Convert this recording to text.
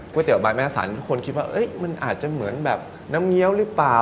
เตี๋ใบแม่สันทุกคนคิดว่ามันอาจจะเหมือนแบบน้ำเงี้ยวหรือเปล่า